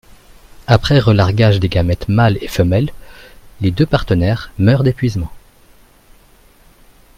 Après relargage des gamètes mâles et femelles, les deux partenaires meurent d'épuisement.